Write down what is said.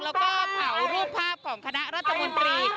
แล้วก็เผารูปภาพของคณะรัฐมนตรี